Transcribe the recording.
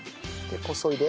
こそいで。